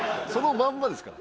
まんまですから。